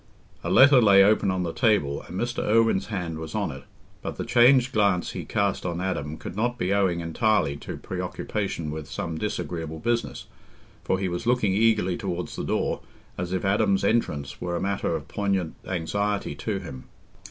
A letter lay open on the table, and Mr. Irwine's hand was on it, but the changed glance he cast on Adam could not be owing entirely to preoccupation with some disagreeable business, for he was looking eagerly towards the door, as if Adam's entrance were a matter of poignant anxiety to him.